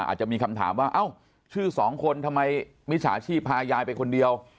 อาจจะมีคำถามว่าเอ้าชื่อสองคนทำไมมิจฉาชีพพายายไปคนเดียว